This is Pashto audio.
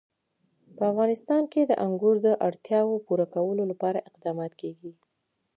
په افغانستان کې د انګور د اړتیاوو پوره کولو لپاره اقدامات کېږي.